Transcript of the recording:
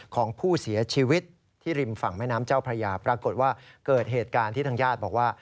ของผู้เสียชีวิตที่ริมฝั่งแม่น้ำเจ้าพระยาปรากฏว่าเกิดเหตุการณ์ที่ทางญาติบอกว่า